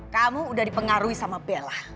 kamu udah dipengaruhi sama bella